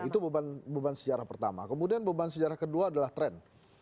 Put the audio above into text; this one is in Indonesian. itu beban sejarah pertama kemudian beban sejarah kedua adalah tren